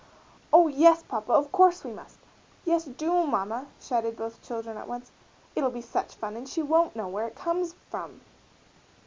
"Oh, yes, Papa, of course we must! Yes, do, Mamma!" shouted both children at once. "It'll be such fun and she won't know where it comes from."